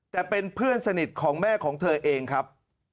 แต่เป็นเพื่อนสนิทของแม่ของเธอเองครับ